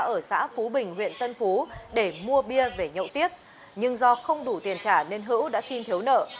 ở xã phú bình huyện tân phú để mua bia về nhậu tiếp nhưng do không đủ tiền trả nên hữu đã xin thiếu nợ